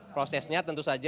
prosesnya tentu saja